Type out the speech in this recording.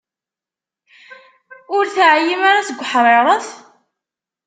Ur teɛyim ara seg uḥṛiṛet?